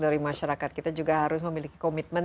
dari masyarakat kita juga harus memiliki komitmen